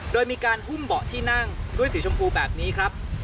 โดยมีการหุ้มเบาะที่นั่งด้วยสีชมพูแบบนี้ครับ